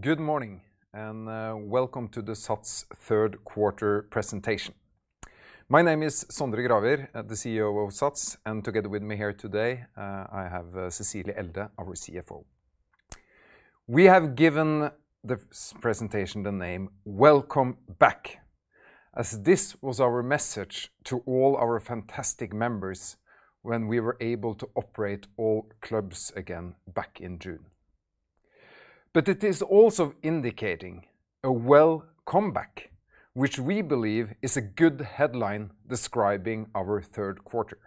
Good morning, welcome to the SATS third quarter presentation. My name is Sondre Gravir, the CEO of SATS, and together with me here today, I have Cecilie Elde, our CFO. We have given the presentation the name Welcome Back, as this was our message to all our fantastic members when we were able to operate all clubs again back in June. It is also indicating a welcome back, which we believe is a good headline describing our third quarter.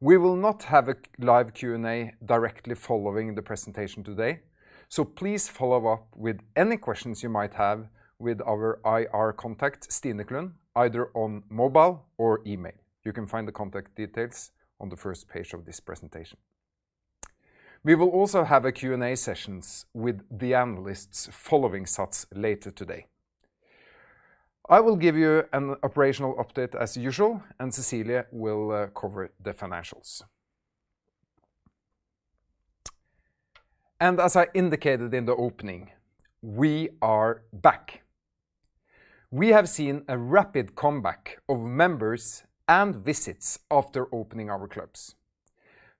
We will not have a live Q&A directly following the presentation today, so please follow up with any questions you might have with our IR contact, Stine Klund, either on mobile or email. You can find the contact details on the first page of this presentation. We will also have a Q&A session with the analysts following SATS later today. I will give you an operational update as usual, Cecilie will cover the financials. As I indicated in the opening, we are back. We have seen a rapid comeback of members and visits after opening our clubs.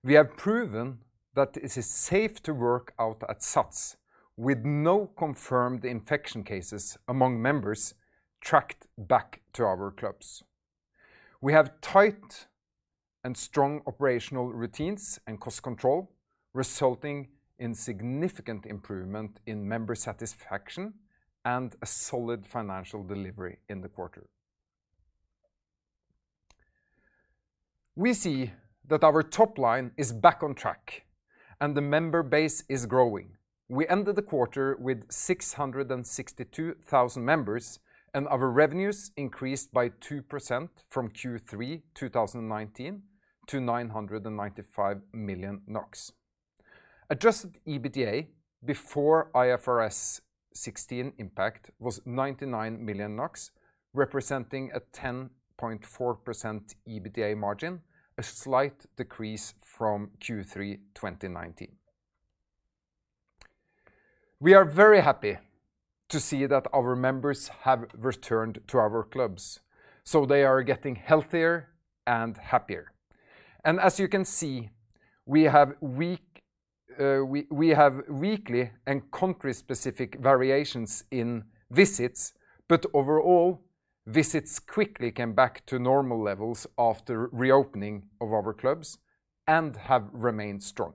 We have proven that it is safe to work out at SATS with no confirmed infection cases among members tracked back to our clubs. We have tight and strong operational routines and cost control, resulting in significant improvement in member satisfaction and a solid financial delivery in the quarter. We see that our top line is back on track and the member base is growing. We ended the quarter with 662,000 members, our revenues increased by 2% from Q3 2019 to NOK 995 million. Adjusted EBITDA before IFRS 16 impact was 99 million NOK, representing a 10.4% EBITDA margin, a slight decrease from Q3 2019. We are very happy to see that our members have returned to our clubs, so they are getting healthier and happier. As you can see, we have weekly and country-specific variations in visits, but overall, visits quickly came back to normal levels after reopening of our clubs and have remained strong.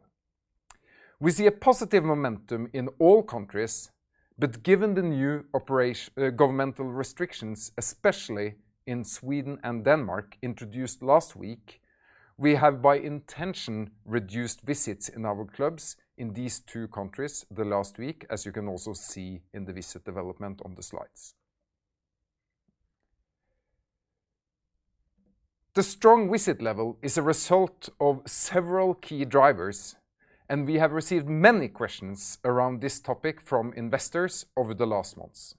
We see a positive momentum in all countries, but given the new governmental restrictions, especially in Sweden and Denmark introduced last week, we have by intention reduced visits in our clubs in these two countries the last week, as you can also see in the visit development on the slides. The strong visit level is a result of several key drivers, and we have received many questions around this topic from investors over the last months.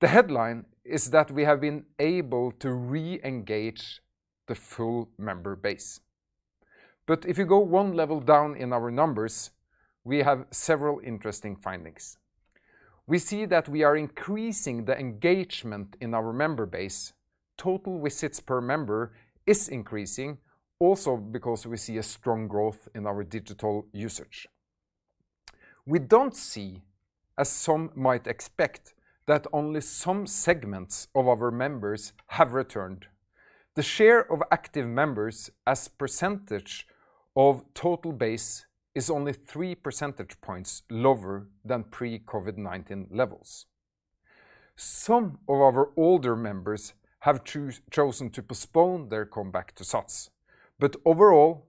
The headline is that we have been able to re-engage the full member base. If you go one level down in our numbers, we have several interesting findings. We see that we are increasing the engagement in our member base. Total visits per member is increasing also because we see a strong growth in our digital usage. We don't see, as some might expect, that only some segments of our members have returned. The share of active members as percentage of total base is only three percentage points lower than pre-COVID-19 levels. Some of our older members have chosen to postpone their comeback to SATS. Overall,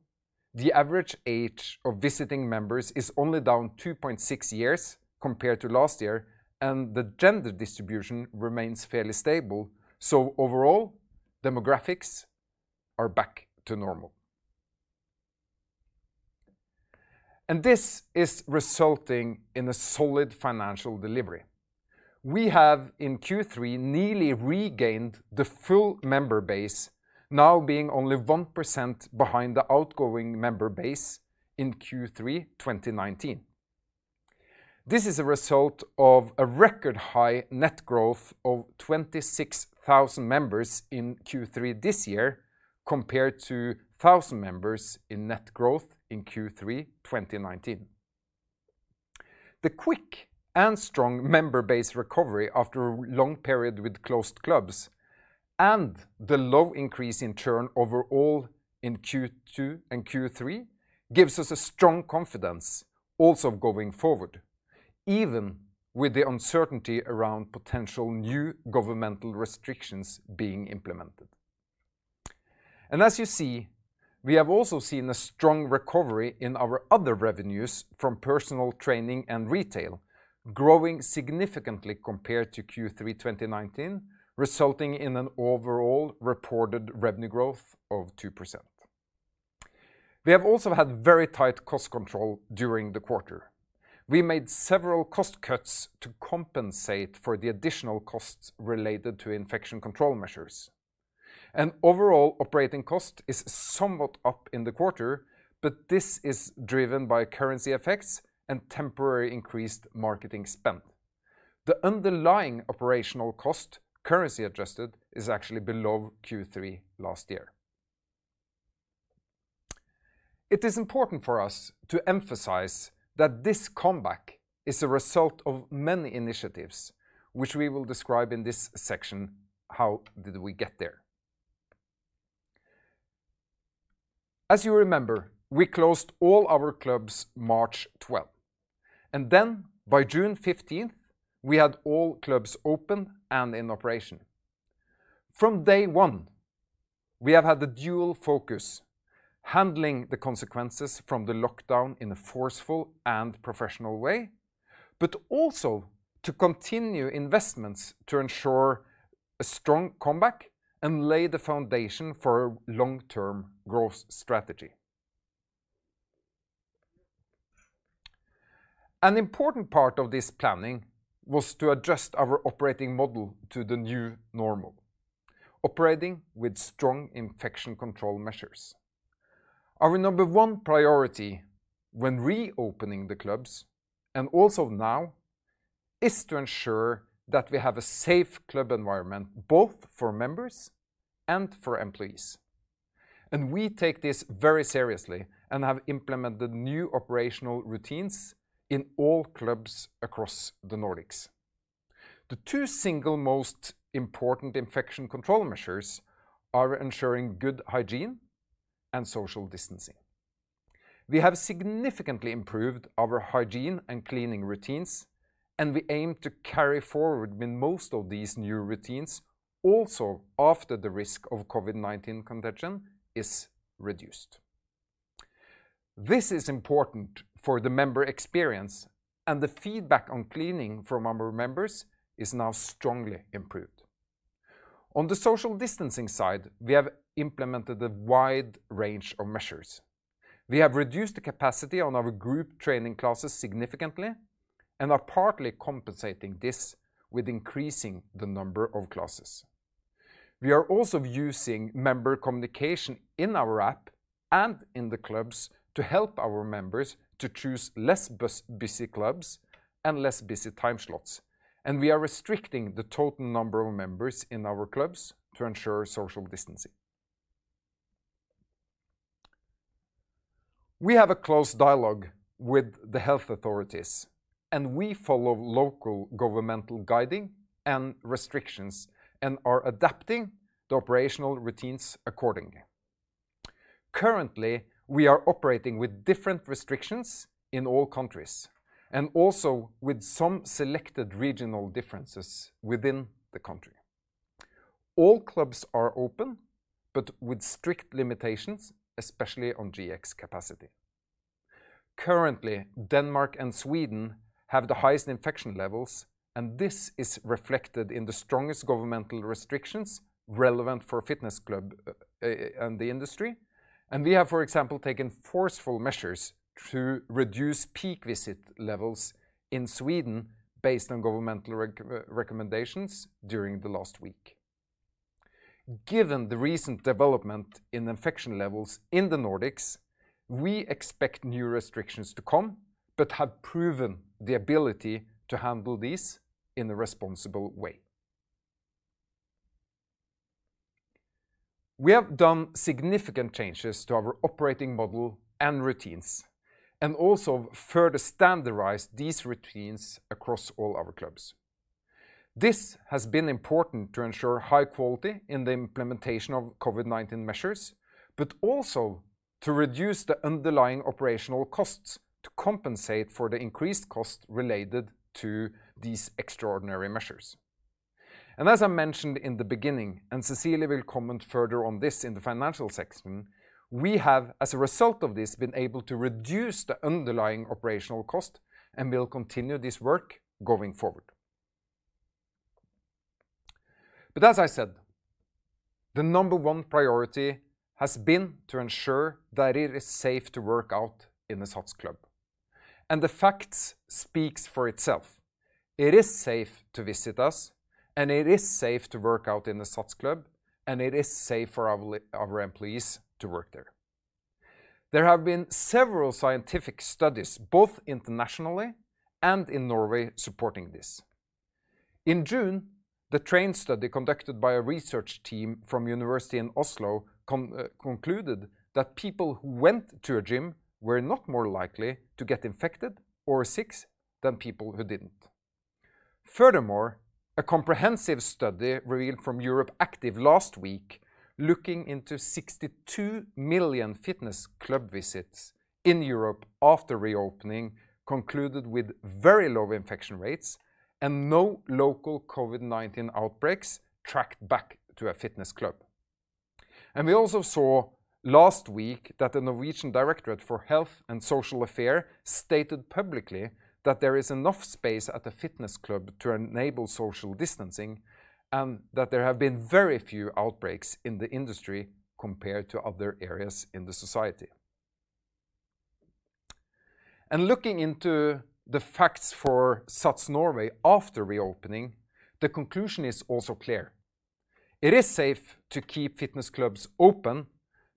the average age of visiting members is only down 2.6 years compared to last year, and the gender distribution remains fairly stable. Overall, demographics are back to normal. This is resulting in a solid financial delivery. We have in Q3 nearly regained the full member base, now being only 1% behind the outgoing member base in Q3 2019. This is a result of a record high net growth of 26,000 members in Q3 this year, compared to 1,000 members in net growth in Q3 2019. The quick and strong member base recovery after a long period with closed clubs and the low increase in turnover all in Q2 and Q3 gives us a strong confidence also going forward, even with the uncertainty around potential new governmental restrictions being implemented. As you see, we have also seen a strong recovery in our other revenues from personal training and retail growing significantly compared to Q3 2019, resulting in an overall reported revenue growth of 2%. We have also had very tight cost control during the quarter. We made several cost cuts to compensate for the additional costs related to infection control measures. Overall operating cost is somewhat up in the quarter, but this is driven by currency effects and temporary increased marketing spend. The underlying operational cost, currency adjusted, is actually below Q3 last year. It is important for us to emphasize that this comeback is a result of many initiatives, which we will describe in this section. How did we get there? As you remember, we closed all our clubs March 12, and then by June 15, we had all clubs open and in operation. From day one, we have had the dual focus, handling the consequences from the lockdown in a forceful and professional way, but also to continue investments to ensure a strong comeback and lay the foundation for a long-term growth strategy. An important part of this planning was to adjust our operating model to the new normal, operating with strong infection control measures. Our number one priority when reopening the clubs, and also now, is to ensure that we have a safe club environment both for members and for employees. We take this very seriously and have implemented new operational routines in all clubs across the Nordics. The two single most important infection control measures are ensuring good hygiene and social distancing. We have significantly improved our hygiene and cleaning routines, and we aim to carry forward with most of these new routines also after the risk of COVID-19 contagion is reduced. This is important for the member experience, and the feedback on cleaning from our members is now strongly improved. On the social distancing side, we have implemented a wide range of measures. We have reduced the capacity on our group training classes significantly and are partly compensating this with increasing the number of classes. We are also using member communication in our app and in the clubs to help our members to choose less busy clubs and less busy time slots, and we are restricting the total number of members in our clubs to ensure social distancing. We have a close dialogue with the health authorities, and we follow local governmental guiding and restrictions and are adapting the operational routines accordingly. Currently, we are operating with different restrictions in all countries and also with some selected regional differences within the country. All clubs are open but with strict limitations, especially on GX capacity. Currently, Denmark and Sweden have the highest infection levels, and this is reflected in the strongest governmental restrictions relevant for fitness club and the industry. We have, for example, taken forceful measures to reduce peak visit levels in Sweden based on governmental recommendations during the last week. Given the recent development in infection levels in the Nordics, we expect new restrictions to come but have proven the ability to handle these in a responsible way. We have done significant changes to our operating model and routines and also further standardized these routines across all our clubs. This has been important to ensure high quality in the implementation of COVID-19 measures, but also to reduce the underlying operational costs to compensate for the increased cost related to these extraordinary measures. As I mentioned in the beginning, and Cecilie will comment further on this in the financial section, we have, as a result of this, been able to reduce the underlying operational cost and will continue this work going forward. As I said, the number one priority has been to ensure that it is safe to work out in a SATS club, and the facts speaks for itself. It is safe to visit us, and it is safe to work out in a SATS club, and it is safe for our employees to work there. There have been several scientific studies, both internationally and in Norway, supporting this. In June, the TRAiN study conducted by a research team from University of Oslo concluded that people who went to a gym were not more likely to get infected or sick than people who didn't. Furthermore, a comprehensive study revealed from EuropeActive last week looking into 62 million fitness club visits in Europe after reopening concluded with very low infection rates and no local COVID-19 outbreaks tracked back to a fitness club. We also saw last week that the Norwegian Directorate of Health stated publicly that there is enough space at the fitness club to enable social distancing, and that there have been very few outbreaks in the industry compared to other areas in the society. Looking into the facts for SATS Norway after reopening, the conclusion is also clear. It is safe to keep fitness clubs open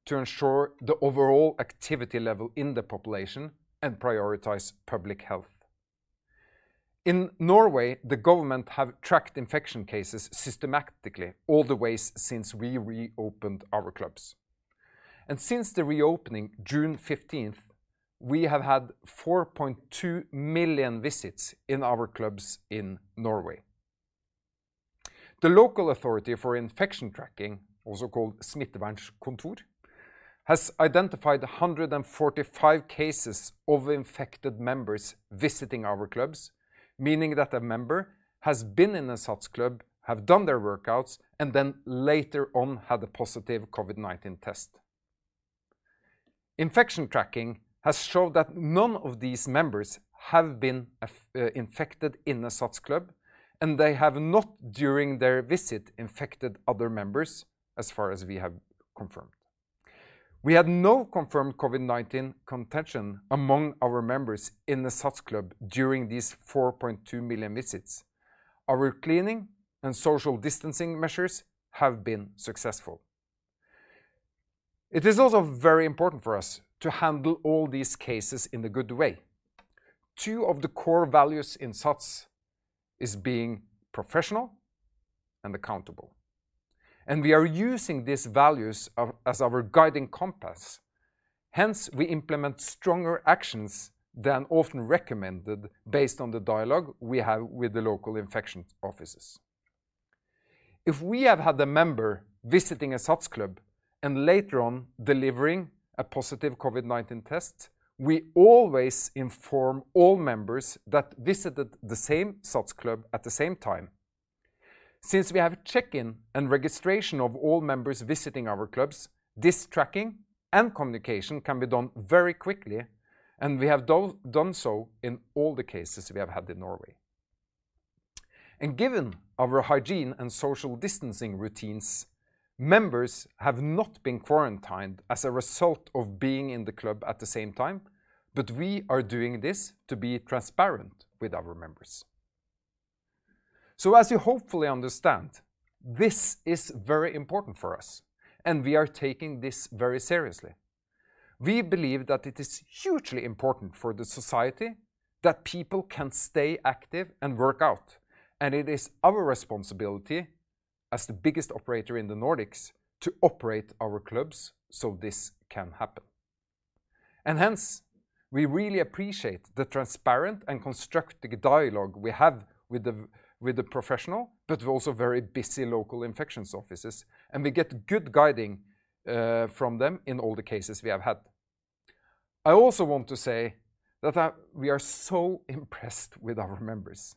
to ensure the overall activity level in the population and prioritize public health. In Norway, the government have tracked infection cases systematically all the way since we reopened our clubs. Since the reopening June 15th, we have had 4.2 million visits in our clubs in Norway. The local authority for infection tracking, also called Smittevernkontoret, has identified 145 cases of infected members visiting our clubs, meaning that a member has been in a SATS club, have done their workouts, and then later on had a positive COVID-19 test. Infection tracking has showed that none of these members have been infected in a SATS club, and they have not during their visit infected other members as far as we have confirmed. We had no confirmed COVID-19 contagion among our members in the SATS club during these 4.2 million visits. Our cleaning and social distancing measures have been successful. It is also very important for us to handle all these cases in a good way. Two of the core values in SATS is being professional and accountable, and we are using these values as our guiding compass. Hence, we implement stronger actions than often recommended based on the dialogue we have with the local infection offices. If we have had a member visiting a SATS club and later on delivering a positive COVID-19 test, we always inform all members that visited the same SATS club at the same time. Since we have check-in and registration of all members visiting our clubs, this tracking and communication can be done very quickly, and we have done so in all the cases we have had in Norway. Given our hygiene and social distancing routines, members have not been quarantined as a result of being in the club at the same time, but we are doing this to be transparent with our members. As you hopefully understand, this is very important for us, and we are taking this very seriously. We believe that it is hugely important for the society that people can stay active and work out, and it is our responsibility as the biggest operator in the Nordics to operate our clubs so this can happen. Hence, we really appreciate the transparent and constructive dialogue we have with the professional but also very busy local infections offices, and we get good guiding from them in all the cases we have had. I also want to say that we are so impressed with our members.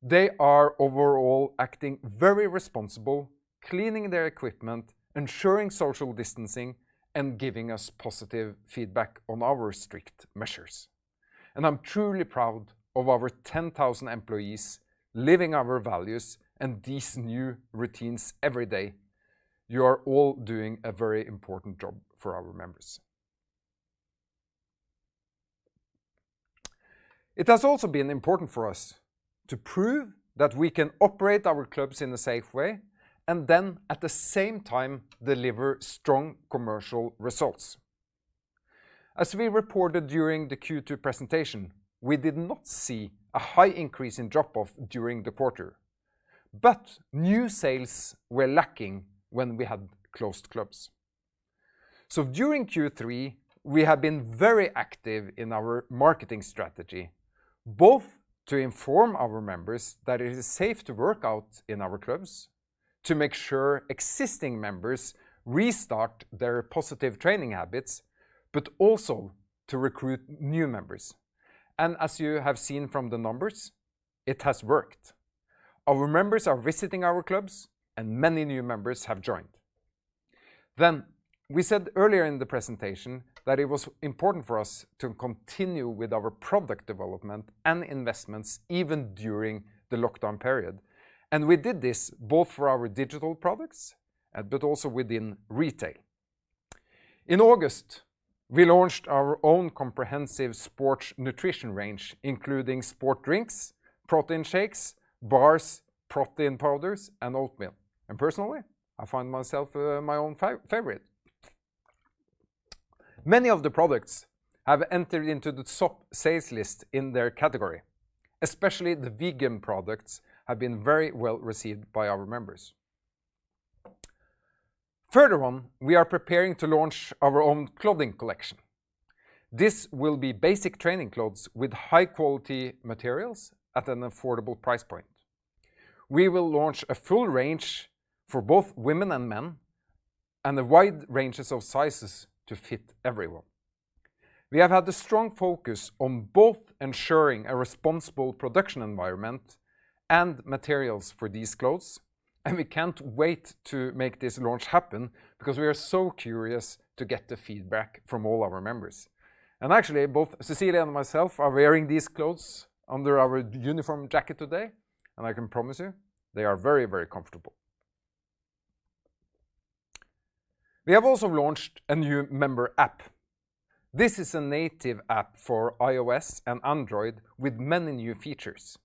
They are overall acting very responsible, cleaning their equipment, ensuring social distancing, and giving us positive feedback on our strict measures. I'm truly proud of our 10,000 employees living our values and these new routines every day. You are all doing a very important job for our members. It has also been important for us to prove that we can operate our clubs in a safe way and then at the same time deliver strong commercial results. As we reported during the Q2 presentation, we did not see a high increase in drop-off during the quarter, but new sales were lacking when we had closed clubs. During Q3, we have been very active in our marketing strategy, both to inform our members that it is safe to work out in our clubs, to make sure existing members restart their positive training habits, but also to recruit new members. As you have seen from the numbers, it has worked. Our members are visiting our clubs and many new members have joined. We said earlier in the presentation that it was important for us to continue with our product development and investments even during the lockdown period. We did this both for our digital products but also within retail. In August, we launched our own comprehensive sports nutrition range, including sport drinks, protein shakes, bars, protein powders, and oatmeal. Personally, I find myself my own favorite. Many of the products have entered into the top sales list in their category, especially the vegan products have been very well received by our members. Further on, we are preparing to launch our own clothing collection. This will be basic training clothes with high-quality materials at an affordable price point. We will launch a full range for both women and men and a wide ranges of sizes to fit everyone. We have had a strong focus on both ensuring a responsible production environment and materials for these clothes, we can't wait to make this launch happen because we are so curious to get the feedback from all our members. Actually, both Cecilie and myself are wearing these clothes under our uniform jacket today, and I can promise you, they are very, very comfortable. We have also launched a new member app. This is a native app for iOS and Android with many new features.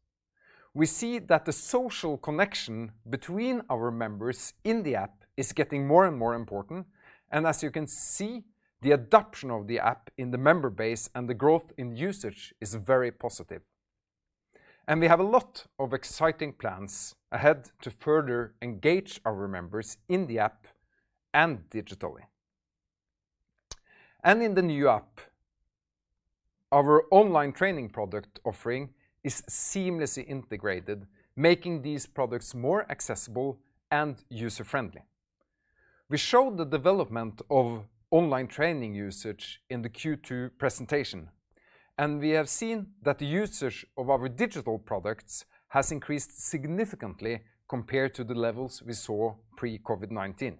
We see that the social connection between our members in the app is getting more and more important, and as you can see, the adoption of the app in the member base and the growth in usage is very positive. We have a lot of exciting plans ahead to further engage our members in the app and digitally. In the new app, our online training product offering is seamlessly integrated, making these products more accessible and user-friendly. We showed the development of online training usage in the Q2 presentation. We have seen that the usage of our digital products has increased significantly compared to the levels we saw pre-COVID-19.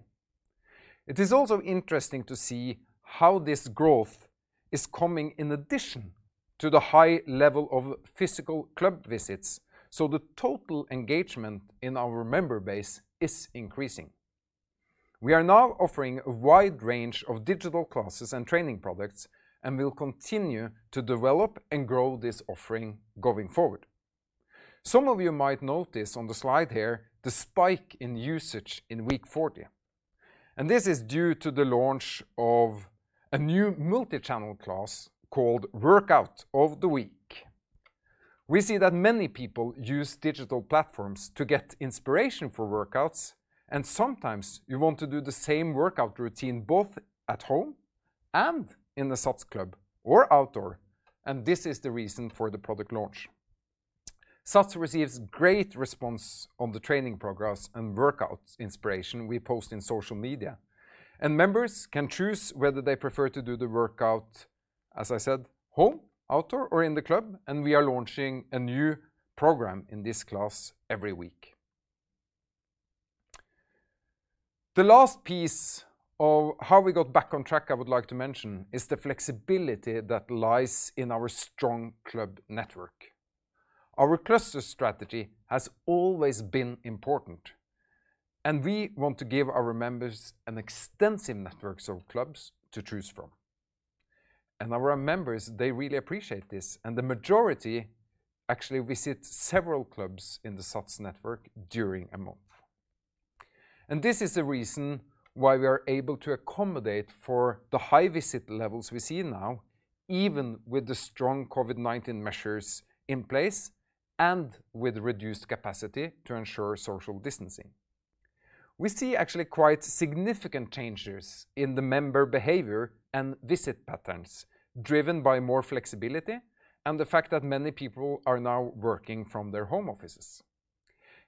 It is also interesting to see how this growth is coming in addition to the high level of physical club visits. The total engagement in our member base is increasing. We are now offering a wide range of digital classes and training products and will continue to develop and grow this offering going forward. Some of you might notice on the slide here the spike in usage in week 40. This is due to the launch of a new multi-channel class called Workout of the Week. We see that many people use digital platforms to get inspiration for workouts, and sometimes you want to do the same workout routine both at home and in a SATS club or outdoor, and this is the reason for the product launch. SATS receives great response on the training progress and workout inspiration we post on social media, and members can choose whether they prefer to do the workout, as I said, home, outdoor, or in the club, and we are launching a new program in this class every week. The last piece of how we got back on track I would like to mention is the flexibility that lies in our strong club network. Our cluster strategy has always been important, and we want to give our members an extensive network of clubs to choose from. Our members, they really appreciate this, and the majority actually visit several clubs in the SATS network during a month. This is the reason why we are able to accommodate for the high visit levels we see now, even with the strong COVID-19 measures in place and with reduced capacity to ensure social distancing. We see actually quite significant changes in the member behavior and visit patterns driven by more flexibility and the fact that many people are now working from their home offices.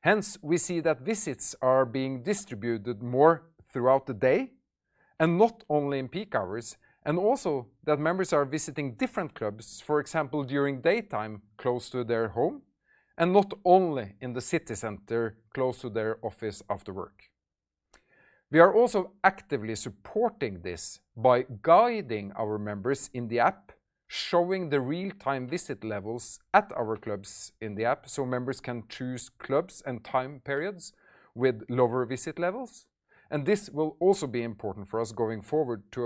Hence, we see that visits are being distributed more throughout the day and not only in peak hours, and also that members are visiting different clubs, for example, during daytime close to their home, and not only in the city center close to their office after work. We are also actively supporting this by guiding our members in the app, showing the real-time visit levels at our clubs in the app so members can choose clubs and time periods with lower visit levels. This will also be important for us going forward to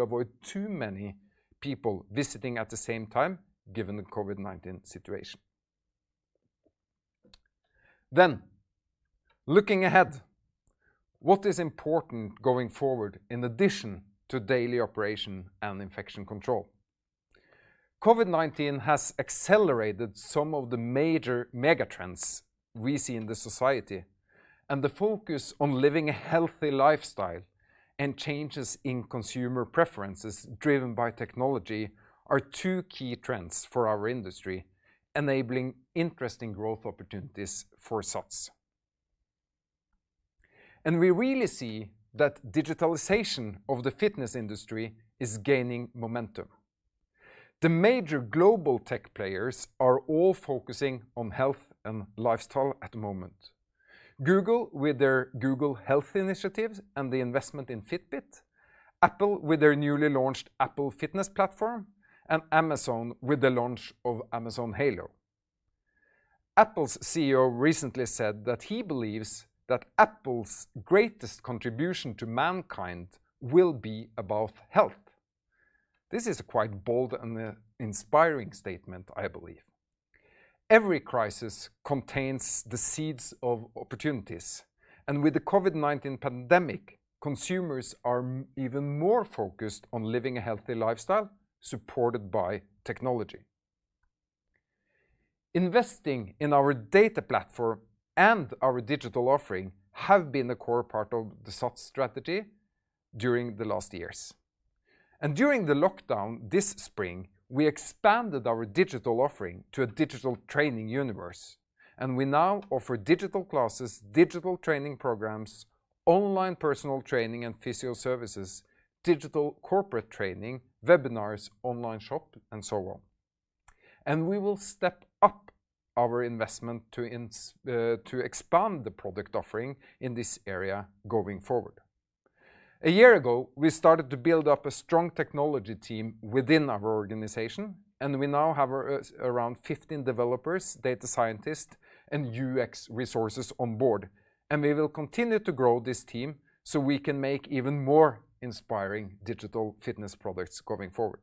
avoid too many people visiting at the same time, given the COVID-19 situation. Looking ahead, what is important going forward in addition to daily operation and infection control? COVID-19 has accelerated some of the major mega trends we see in the society, and the focus on living a healthy lifestyle and changes in consumer preferences driven by technology are two key trends for our industry, enabling interesting growth opportunities for SATS. The major global tech players are all focusing on health and lifestyle at the moment. Google with their Google Health initiatives and the investment in Fitbit, Apple with their newly launched Apple Fitness+, and Amazon with the launch of Amazon Halo. Apple's CEO recently said that he believes that Apple's greatest contribution to mankind will be about health. This is a quite bold and inspiring statement, I believe. With the COVID-19 pandemic, consumers are even more focused on living a healthy lifestyle supported by technology. Investing in our data platform and our digital offering have been a core part of the SATS strategy during the last years. During the lockdown this spring, we expanded our digital offering to a digital training universe, and we now offer digital classes, digital training programs, online personal training and physio services, digital corporate training, webinars, online shop, and so on. We will step up our investment to expand the product offering in this area going forward. A year ago, we started to build up a strong technology team within our organization, and we now have around 15 developers, data scientists, and UX resources on board, and we will continue to grow this team so we can make even more inspiring digital fitness products going forward.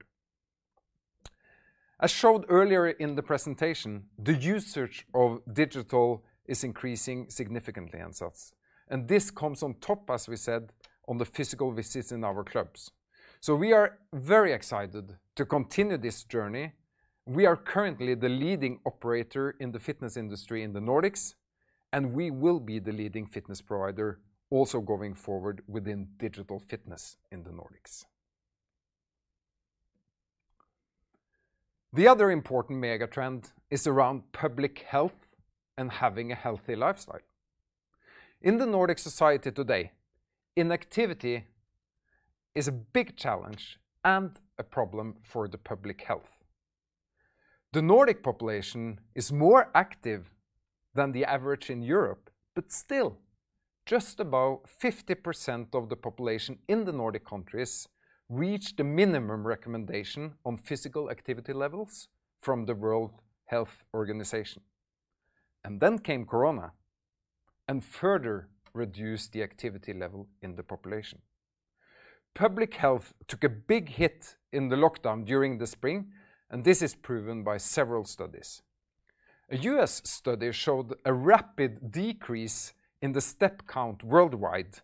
As shown earlier in the presentation, the usage of digital is increasing significantly in SATS, and this comes on top, as we said, on the physical visits in our clubs. We are very excited to continue this journey. We are currently the leading operator in the fitness industry in the Nordics, and we will be the leading fitness provider also going forward within digital fitness in the Nordics. The other important mega trend is around public health and having a healthy lifestyle. In the Nordic society today, inactivity is a big challenge and a problem for the public health. The Nordic population is more active than the average in Europe, still just about 50% of the population in the Nordic countries reach the minimum recommendation on physical activity levels from the World Health Organization. Then came Corona, and further reduced the activity level in the population. Public health took a big hit in the lockdown during the spring, this is proven by several studies. A U.S. study showed a rapid decrease in the step count worldwide,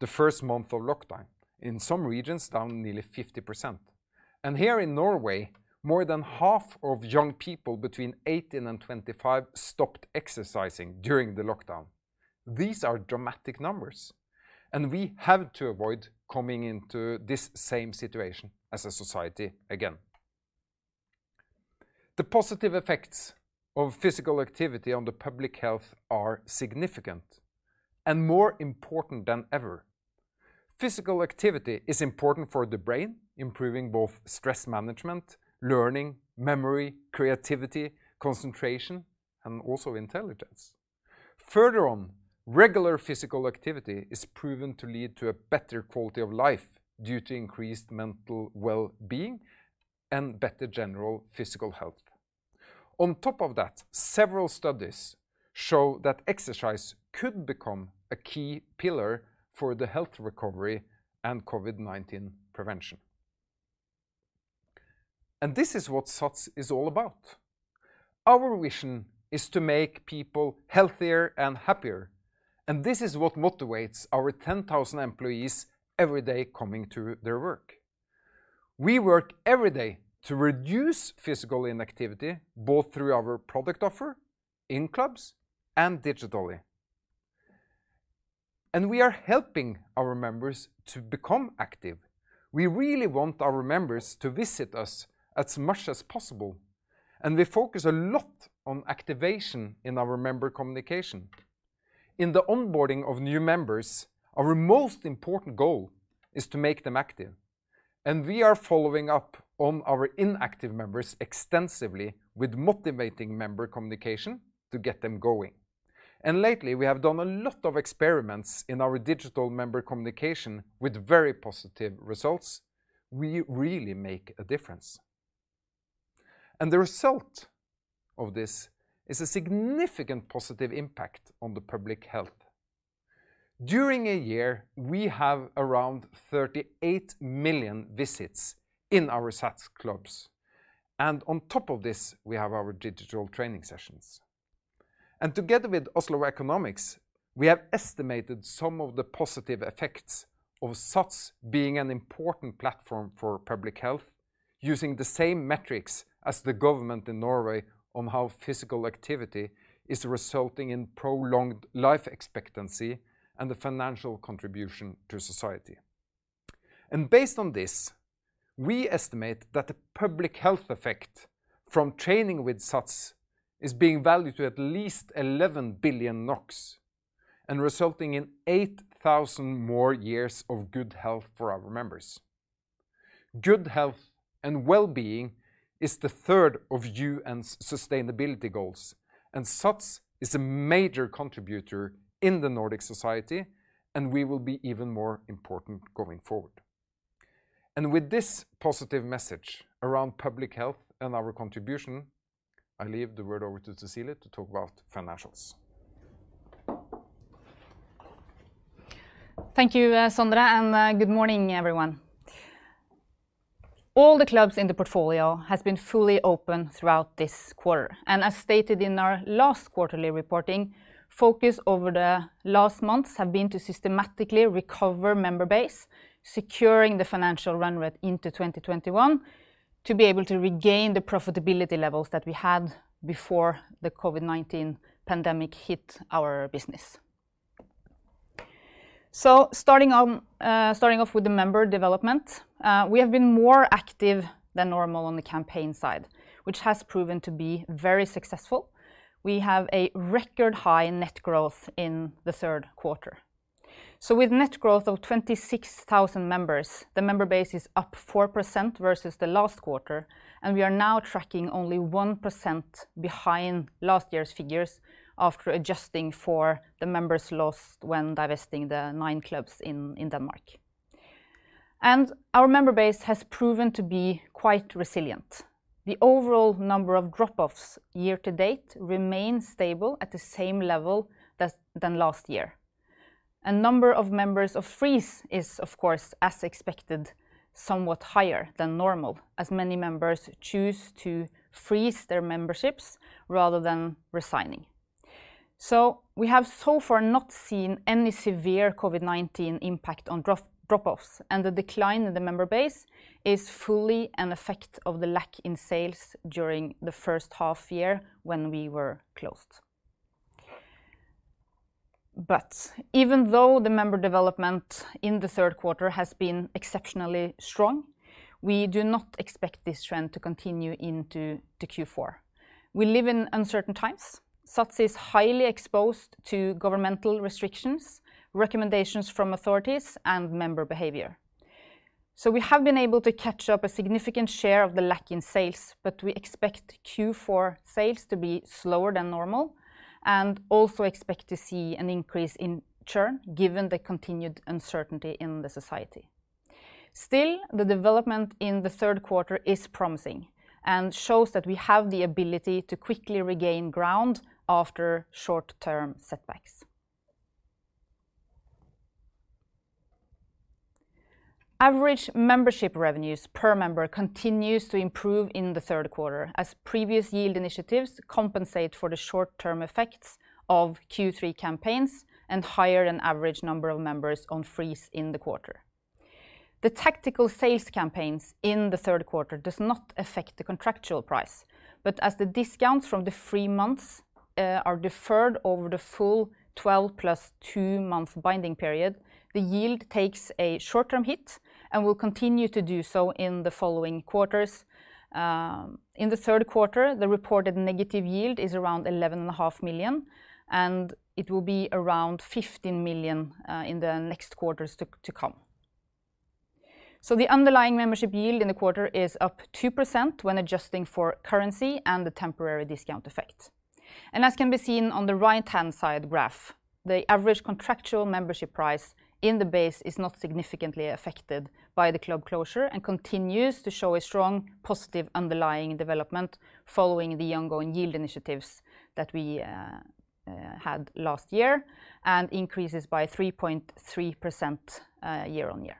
the first month of lockdown. In some regions, down nearly 50%. Here in Norway, more than half of young people between 18 and 25 stopped exercising during the lockdown. These are dramatic numbers, we have to avoid coming into this same situation as a society again. The positive effects of physical activity on the public health are significant and more important than ever. Physical activity is important for the brain, improving both stress management, learning, memory, creativity, concentration, and also intelligence. Regular physical activity is proven to lead to a better quality of life due to increased mental wellbeing and better general physical health. Several studies show that exercise could become a key pillar for the health recovery and COVID-19 prevention. This is what SATS is all about. Our mission is to make people healthier and happier, this is what motivates our 10,000 employees every day coming to their work. We work every day to reduce physical inactivity, both through our product offer in clubs and digitally. We are helping our members to become active. We really want our members to visit us as much as possible, and we focus a lot on activation in our member communication. In the onboarding of new members, our most important goal is to make them active, and we are following up on our inactive members extensively with motivating member communication to get them going. Lately, we have done a lot of experiments in our digital member communication with very positive results. We really make a difference. The result of this is a significant positive impact on the public health. During a year, we have around 38 million visits in our SATS clubs, and on top of this, we have our digital training sessions. Together with Oslo Economics, we have estimated some of the positive effects of SATS being an important platform for public health, using the same metrics as the government in Norway on how physical activity is resulting in prolonged life expectancy and the financial contribution to society. Based on this, we estimate that the public health effect from training with SATS is being valued to at least 11 billion NOK and resulting in 8,000 more years of good health for our members. Good health and wellbeing is the third of UN's sustainability goals, and SATS is a major contributor in the Nordic society, and we will be even more important going forward. With this positive message around public health and our contribution, I leave the word over to Cecilie to talk about financials. Thank you, Sondre, and good morning, everyone. All the clubs in the portfolio has been fully open throughout this quarter. As stated in our last quarterly reporting, focus over the last months have been to systematically recover member base, securing the financial run rate into 2021 to be able to regain the profitability levels that we had before the COVID-19 pandemic hit our business. Starting off with the member development. We have been more active than normal on the campaign side, which has proven to be very successful. We have a record high net growth in the third quarter. With net growth of 26,000 members, the member base is up 4% versus the last quarter, and we are now tracking only 1% behind last year's figures after adjusting for the members lost when divesting the nine clubs in Denmark. Our member base has proven to be quite resilient. The overall number of drop-offs year to date remains stable at the same level than last year. Number of members of freeze is of course, as expected, somewhat higher than normal as many members choose to freeze their memberships rather than resigning. We have so far not seen any severe COVID-19 impact on drop-offs, and the decline in the member base is fully an effect of the lack in sales during the first half year when we were closed. Even though the member development in the third quarter has been exceptionally strong, we do not expect this trend to continue into the Q4. We live in uncertain times. SATS is highly exposed to governmental restrictions, recommendations from authorities, and member behavior. We have been able to catch up a significant share of the lack in sales, but we expect Q4 sales to be slower than normal and also expect to see an increase in churn given the continued uncertainty in the society. Still, the development in the third quarter is promising and shows that we have the ability to quickly regain ground after short-term setbacks. Average membership revenues per member continues to improve in the third quarter as previous yield initiatives compensate for the short-term effects of Q3 campaigns and higher than average number of members on freeze in the quarter. The tactical sales campaigns in the third quarter does not affect the contractual price, but as the discounts from the three months are deferred over the full 12 plus two-month binding period, the yield takes a short-term hit and will continue to do so in the following quarters. In the third quarter, the reported negative yield is around 11.5 million, and it will be around 15 million in the next quarters to come. The underlying membership yield in the quarter is up 2% when adjusting for currency and the temporary discount effect. As can be seen on the right-hand side graph, the average contractual membership price in the base is not significantly affected by the club closure and continues to show a strong positive underlying development following the ongoing yield initiatives that we had last year and increases by 3.3% year-on-year.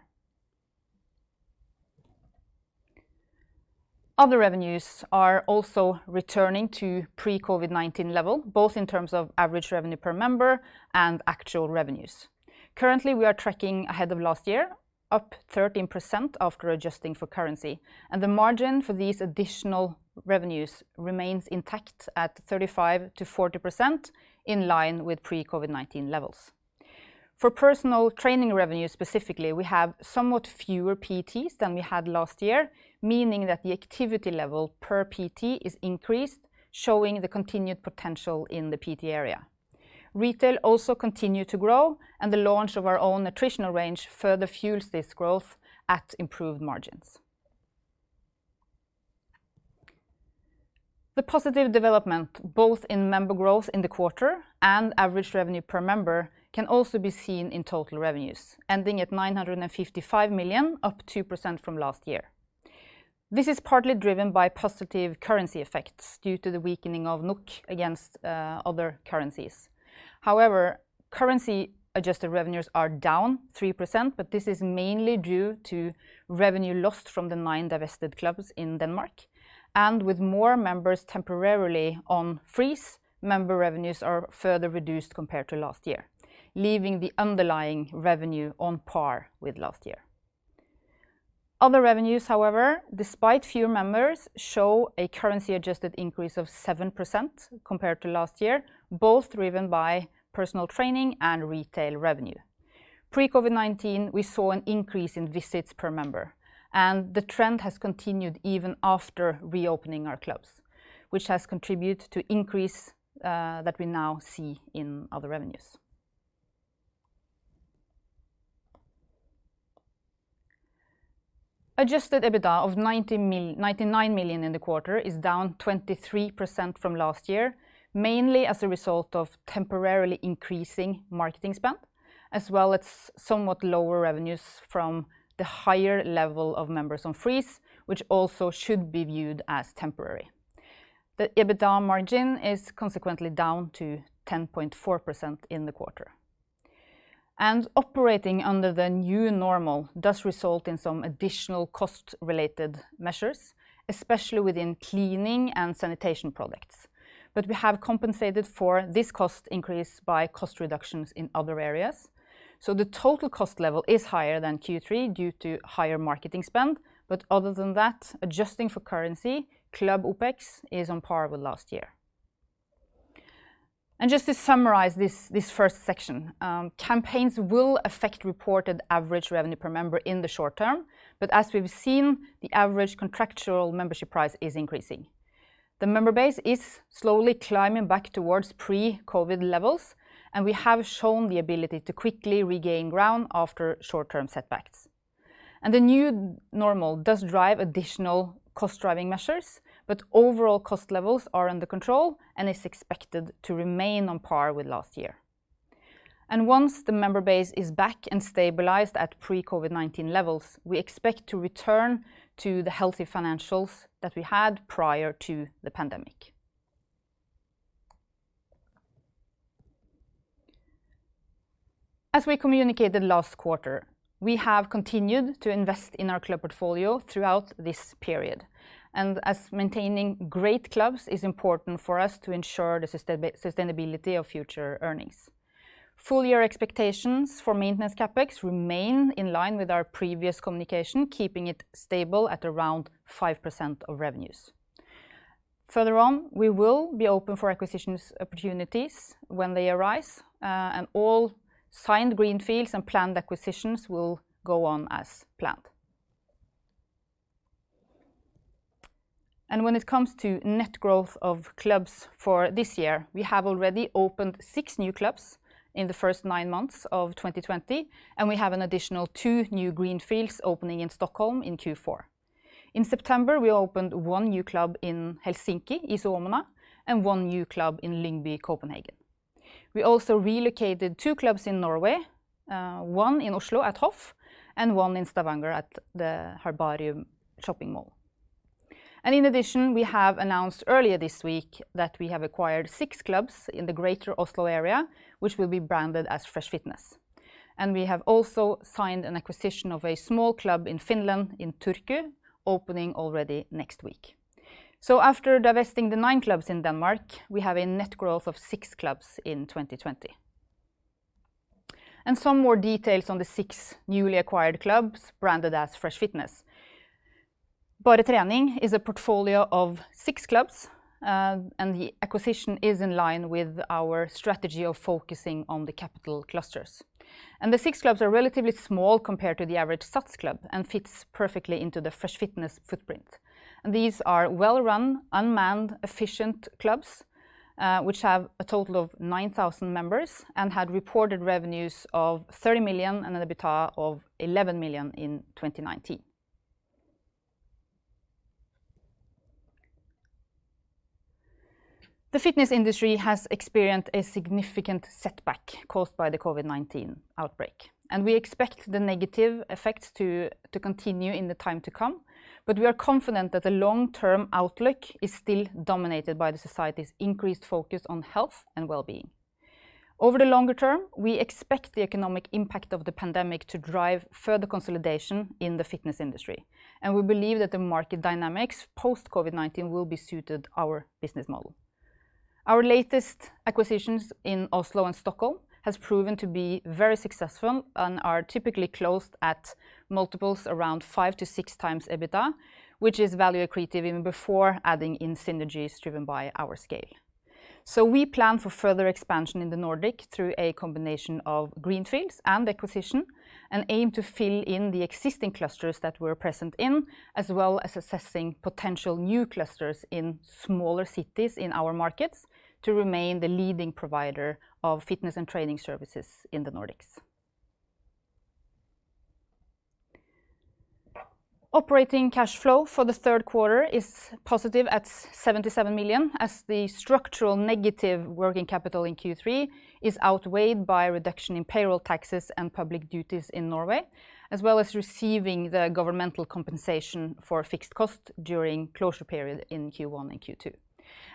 Other revenues are also returning to pre-COVID-19 level, both in terms of average revenue per member and actual revenues. Currently, we are tracking ahead of last year, up 13% after adjusting for currency, and the margin for these additional revenues remains intact at 35%-40% in line with pre-COVID-19 levels. For personal training revenues specifically, we have somewhat fewer PTs than we had last year, meaning that the activity level per PT is increased, showing the continued potential in the PT area. Retail also continued to grow, and the launch of our own nutritional range further fuels this growth at improved margins. The positive development, both in member growth in the quarter and average revenue per member, can also be seen in total revenues, ending at 955 million, up 2% from last year. This is partly driven by positive currency effects due to the weakening of NOK against other currencies. However, currency-adjusted revenues are down 3%, but this is mainly due to revenue lost from the nine divested clubs in Denmark. With more members temporarily on freeze, member revenues are further reduced compared to last year, leaving the underlying revenue on par with last year. Other revenues, however, despite fewer members, show a currency-adjusted increase of 7% compared to last year, both driven by personal training and retail revenue. The trend has continued even after reopening our clubs, which has contributed to increase that we now see in other revenues. Adjusted EBITDA of 99 million in the quarter is down 23% from last year, mainly as a result of temporarily increasing marketing spend, as well as somewhat lower revenues from the higher level of members on freeze, which also should be viewed as temporary. The EBITDA margin is consequently down to 10.4% in the quarter. Operating under the new normal does result in some additional cost-related measures, especially within cleaning and sanitation products. We have compensated for this cost increase by cost reductions in other areas. The total cost level is higher than Q3 due to higher marketing spend. Other than that, adjusting for currency, club OPEX is on par with last year. Just to summarize this first section, campaigns will affect reported average revenue per member in the short term, but as we've seen, the average contractual membership price is increasing. The member base is slowly climbing back towards pre-COVID levels, and we have shown the ability to quickly regain ground after short-term setbacks. The new normal does drive additional cost-driving measures, but overall cost levels are under control and is expected to remain on par with last year. Once the member base is back and stabilized at pre-COVID-19 levels, we expect to return to the healthy financials that we had prior to the pandemic. As we communicated last quarter, we have continued to invest in our club portfolio throughout this period, and as maintaining great clubs is important for us to ensure the sustainability of future earnings. Full year expectations for maintenance CapEx remain in line with our previous communication, keeping it stable at around 5% of revenues. Further on, we will be open for acquisitions opportunities when they arise, and all signed greenfields and planned acquisitions will go on as planned. When it comes to net growth of clubs for this year, we have already opened six new clubs in the first nine months of 2020, and we have an additional two new greenfields opening in Stockholm in Q4. In September, we opened one new club in Helsinki, Iso Omena, and one new club in Lyngby, Copenhagen. We also relocated two clubs in Norway, one in Oslo at Hoff, and one in Stavanger at the Herbarium shopping mall. In addition, we have announced earlier this week that we have acquired six clubs in the greater Oslo area, which will be branded as Fresh Fitness. We have also signed an acquisition of a small club in Finland in Turku, opening already next week. After divesting the nine clubs in Denmark, we have a net growth of six clubs in 2020. Some more details on the six newly acquired clubs branded as Fresh Fitness. Bare Trening is a portfolio of six clubs, and the acquisition is in line with our strategy of focusing on the capital clusters. The six clubs are relatively small compared to the average SATS club and fits perfectly into the Fresh Fitness footprint. These are well-run, unmanned, efficient clubs, which have a total of 9,000 members and had reported revenues of 30 million and an EBITDA of 11 million in 2019. The fitness industry has experienced a significant setback caused by the COVID-19 outbreak. We expect the negative effects to continue in the time to come. We are confident that the long-term outlook is still dominated by the society's increased focus on health and wellbeing. Over the longer term, we expect the economic impact of the pandemic to drive further consolidation in the fitness industry. We believe that the market dynamics post-COVID-19 will be suited our business model. Our latest acquisitions in Oslo and Stockholm has proven to be very successful and are typically closed at multiples around 5x-6x EBITDA, which is value accretive even before adding in synergies driven by our scale. We plan for further expansion in the Nordic through a combination of greenfields and acquisition, and aim to fill in the existing clusters that we're present in, as well as assessing potential new clusters in smaller cities in our markets to remain the leading provider of fitness and training services in the Nordics. Operating cash flow for the third quarter is positive at 77 million, as the structural negative working capital in Q3 is outweighed by a reduction in payroll taxes and public duties in Norway, as well as receiving the governmental compensation for fixed cost during closure period in Q1 and Q2.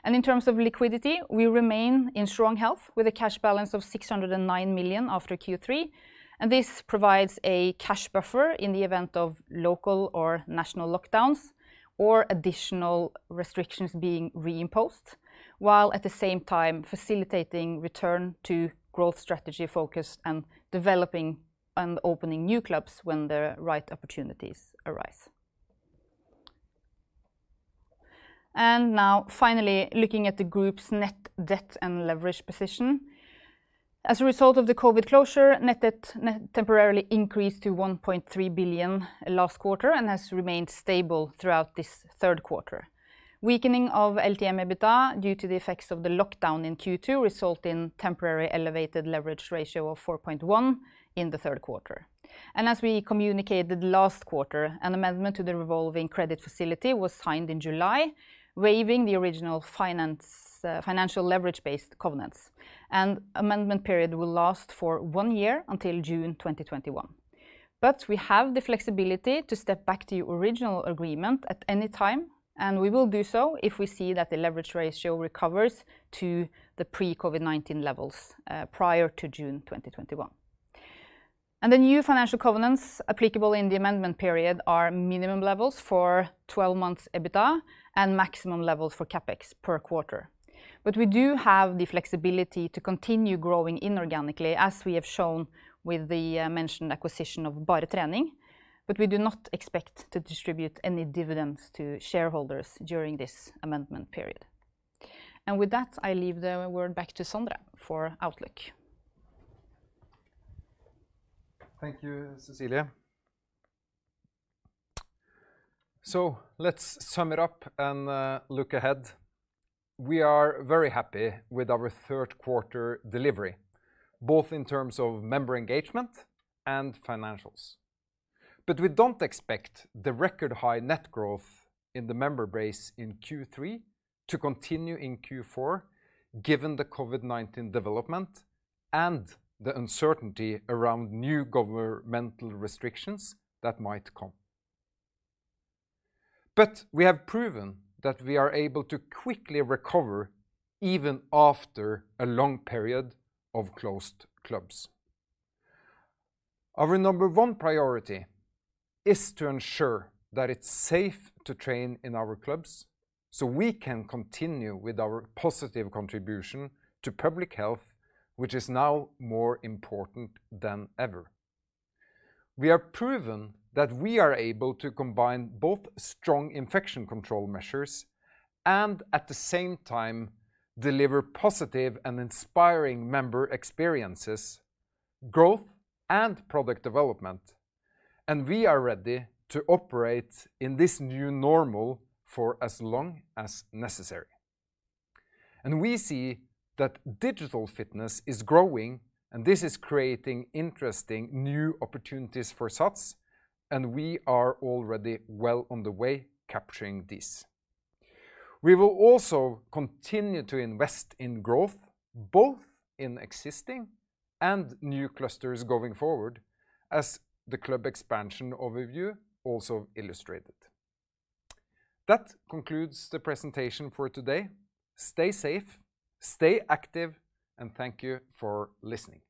In terms of liquidity, we remain in strong health with a cash balance of 609 million after Q3, and this provides a cash buffer in the event of local or national lockdowns or additional restrictions being re-imposed, while at the same time facilitating return to growth strategy focus and developing and opening new clubs when the right opportunities arise. Now finally, looking at the group's net debt and leverage position. As a result of the COVID closure, net debt temporarily increased to 1.3 billion last quarter and has remained stable throughout this third quarter. Weakening of LTM EBITDA due to the effects of the lockdown in Q2 result in temporary elevated leverage ratio of 4.1 in the third quarter. As we communicated last quarter, an amendment to the revolving credit facility was signed in July, waiving the original financial leverage-based covenants. An amendment period will last for one year until June 2021. We have the flexibility to step back to the original agreement at any time, and we will do so if we see that the leverage ratio recovers to the pre-COVID-19 levels prior to June 2021. The new financial covenants applicable in the amendment period are minimum levels for 12 months EBITDA and maximum levels for CapEx per quarter. We do have the flexibility to continue growing inorganically as we have shown with the mentioned acquisition of Bare Trening, but we do not expect to distribute any dividends to shareholders during this amendment period. With that, I leave the word back to Sondre for outlook. Thank you, Cecilie. Let's sum it up and look ahead. We are very happy with our third quarter delivery, both in terms of member engagement and financials. We don't expect the record high net growth in the member base in Q3 to continue in Q4, given the COVID-19 development and the uncertainty around new governmental restrictions that might come. We have proven that we are able to quickly recover even after a long period of closed clubs. Our number one priority is to ensure that it's safe to train in our clubs so we can continue with our positive contribution to public health, which is now more important than ever. We have proven that we are able to combine both strong infection control measures and at the same time deliver positive and inspiring member experiences, growth, and product development, and we are ready to operate in this new normal for as long as necessary. We see that digital fitness is growing, and this is creating interesting new opportunities for SATS, and we are already well on the way capturing this. We will also continue to invest in growth, both in existing and new clusters going forward, as the club expansion overview also illustrated. That concludes the presentation for today. Stay safe, stay active, and thank you for listening.